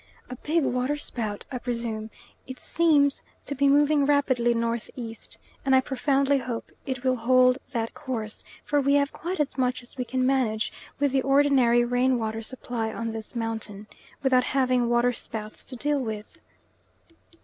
A big waterspout, I presume: it seems to be moving rapidly N.E., and I profoundly hope it will hold that course, for we have quite as much as we can manage with the ordinary rain water supply on this mountain, without having waterspouts to deal with.